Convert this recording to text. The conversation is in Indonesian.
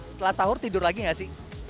setelah sahur tidur lagi gak sih